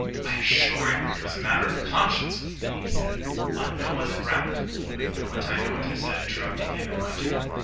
"I assure you it was a matter of conscience with me," he said. "On no other ground—" "I know it, I know it," I said, interrupting him in my turn.